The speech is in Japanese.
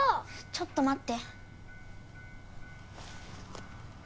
ちょっと待って。